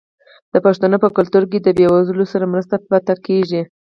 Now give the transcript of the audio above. د پښتنو په کلتور کې د بې وزلو سره مرسته پټه کیږي.